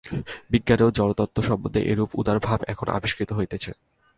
বিজ্ঞানেও জড়তত্ত্ব সম্বন্ধে এইরূপ উদার ভাব এখন আবিষ্কৃত হইতেছে।